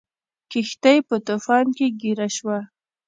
کښتۍ په طوفان کې ګیره شوه.